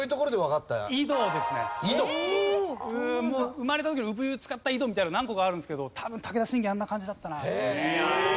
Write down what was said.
生まれた時の産湯に使った井戸みたいなの何個かあるんですけど多分武田信玄あんな感じだったなと。